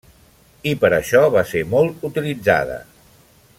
I per això, va ser molt utilitzada.